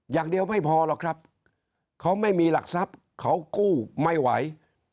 อย่างเดียวไม่พอหรอกครับเขาไม่มีหลักทรัพย์เขากู้ไม่ไหว